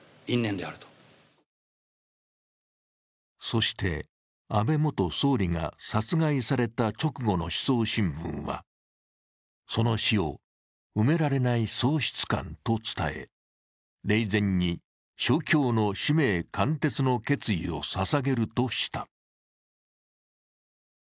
そして安倍元総理が殺害された直後の思想新聞は、その死を「埋められない喪失感」と伝え霊前に勝共の使命貫徹の決意をささげるとした。